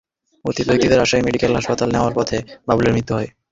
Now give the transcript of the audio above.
আহত ব্যক্তিদের Rajshahi medical college হাসপাতালে নেওয়ার পথে বাবুলের মৃত্যু হয়।